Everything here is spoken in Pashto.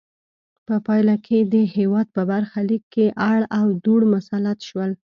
په پایله کې د هېواد په برخه لیک کې اړ او دوړ مسلط شول.